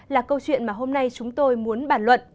là câu chuyện mà hôm nay chúng tôi muốn bản luận